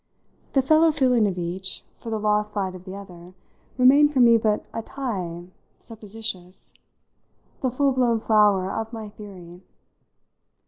The fellow feeling of each for the lost light of the other remained for me but a tie supposititious the full blown flower of my theory.